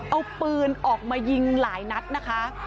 เอาปืนออกมายิงหลายนัดนะคะ